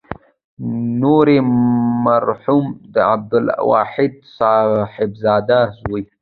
نوري مرحوم د عبدالواحد صاحبزاده زوی.